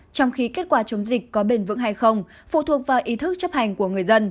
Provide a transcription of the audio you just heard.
trong khi kết quả chống dịch có bền vững hay không phụ thuộc vào ý thức chấp hành của người dân